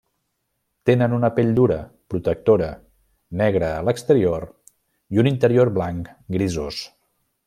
Tenen una pell dura, protectora, negra a l'exterior i un interior blanc grisós.